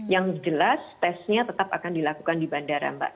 yang jelas tesnya tetap akan dilakukan di bandara mbak